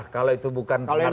kalau itu bukan